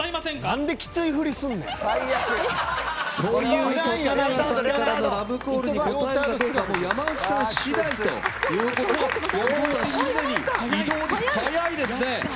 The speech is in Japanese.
何できつい振りすんねん。という徳永さんからのラブコールに応えるのかどうか山内さん次第ということで移動が速いですね。